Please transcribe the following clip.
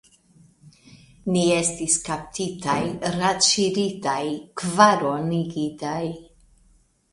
Ni estas kaptitaj, radŝiritaj, kvaronigitaj!